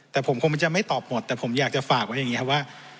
แต่ผมคงจะไม่ตอบหมดแต่ผมอยากจะฝากไว้อย่างนี้ครับว่า